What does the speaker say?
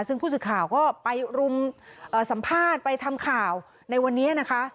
ซึ่งผู้สื่อข่าวก็ไปรุมสัมภาษณ์ไปทำข่าวในวันนี้นะคะ